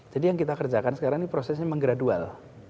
jadi yang kita kerjakan sekarang ini prosesnya menggradual